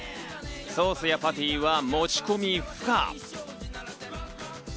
ソースやパテは持ち込み不可。